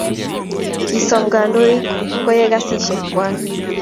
Kisom kandoik koyai kasisiek kwai